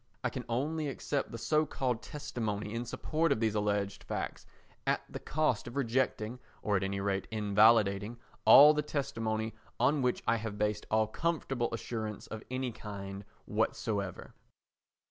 I can only accept the so called testimony in support of these alleged facts at the cost of rejecting, or at any rate invalidating, all the testimony on which I have based all comfortable assurance of any kind whatsoever.